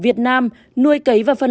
việt nam nuôi cấy và phát triển bệnh